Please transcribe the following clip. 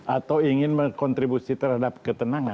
atau ingin berkontribusi terhadap ketenangan